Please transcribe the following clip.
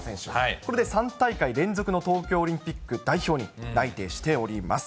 これで３大会連続の東京オリンピック代表に内定しております。